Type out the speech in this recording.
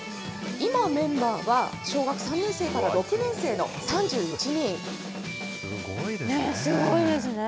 今、メンバーは小学３年生から６すごいですね。